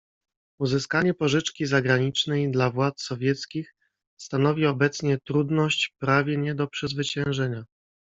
"Uzyskanie pożyczki zagranicznej dla władz sowieckich stanowi obecnie trudność prawie nie do przezwyciężenia."